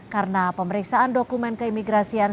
karena pemeriksaan dokumen keimigrasian